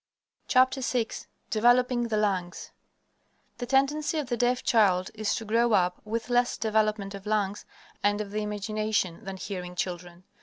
VI DEVELOPING THE LUNGS The tendency of the deaf child is to grow up with less development of lungs and of the imagination than hearing children.